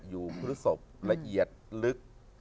อยู่พฤศภละเอียดลึก